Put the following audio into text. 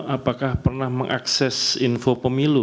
apakah pernah mengakses info pemilu